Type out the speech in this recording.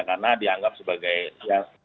karena dianggap sebagai siasat